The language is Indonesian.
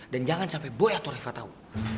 dan jangan sampai boy atau reva tau